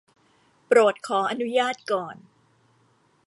โปรดขออนุญาตก่อน